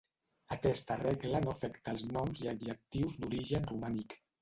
Aquesta regla no afecta els noms i adjectius d'origen romànic.